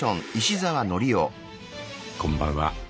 こんばんは。